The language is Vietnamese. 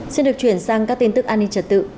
xin được chuyển sang các tin tức an ninh trật tự